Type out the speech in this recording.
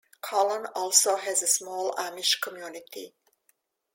Colon also has a small Amish community.